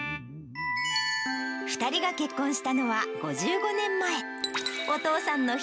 ２人が結婚したのは５５年前。